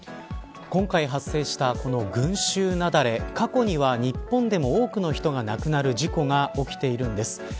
今回発生した、この群衆雪崩過去には日本でも多くの人が亡くなる事故が起きているんです。